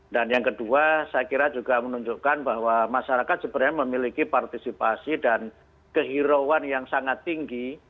dan yang kedua saya kira juga menunjukkan bahwa masyarakat sebenarnya memiliki partisipasi dan kehirauan yang sangat tinggi